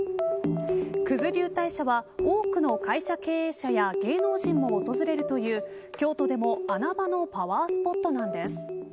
九頭竜大社は多くの会社経営者や芸能人も訪れるという京都でも穴場のパワースポットなんです。